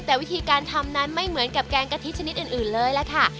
แต่วิธีการทำนั้นไม่เหมือนกับแกงกะทิชนิดอื่นเลยล่ะค่ะ